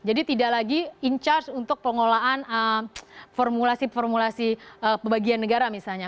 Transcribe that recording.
jadi tidak lagi in charge untuk pengolahan formulasi formulasi bagian negara misalnya